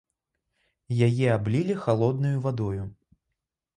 Яе аблілі халоднаю вадою.